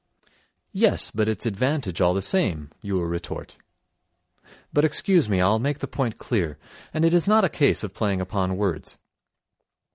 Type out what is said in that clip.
"Yes, but it's advantage all the same," you will retort. But excuse me, I'll make the point clear, and it is not a case of playing upon words.